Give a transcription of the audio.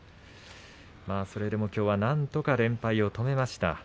それでも、きょうはなんとか連敗を止めました。